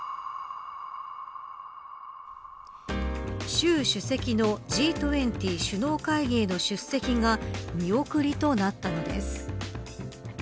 習主席のＧ２０首脳会議への出席が見送りとなったのです。